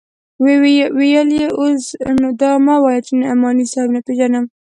ويې ويل اوس نو دا مه وايه چې نعماني صاحب نه پېژنم.